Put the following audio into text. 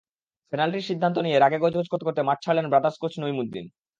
পেনাল্টির সিদ্ধান্ত নিয়ে রাগে গজগজ করতে করতে মাঠ ছাড়লেন ব্রাদার্স কোচ নইমুদ্দিন।